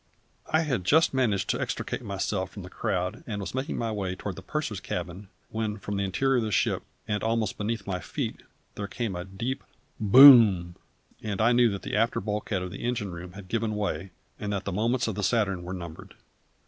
I had just managed to extricate myself from the crowd, and was making my way toward the purser's cabin, when from the interior of the ship, and almost beneath my feet, there came a deep boom, and I knew that the after bulkhead of the engine room had given way, and that the moments of the Saturn were numbered.